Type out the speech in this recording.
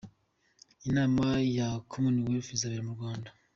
Inama ya Commonwealth izabera mu Rwanda;